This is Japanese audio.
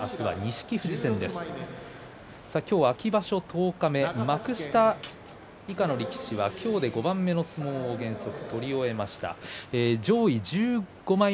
今日秋場所十日目幕下以下の力士は今日で５番の相撲を原則取り終えました。